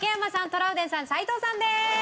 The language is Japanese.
トラウデンさん斉藤さんです！